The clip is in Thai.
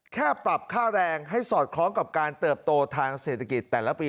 แค่ปรับค่าแรงให้สอดคล้องกับการเติบโตทางเศรษฐกิจแต่ละปี